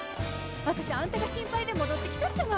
私あんたが心配で戻ってきたっちゃない！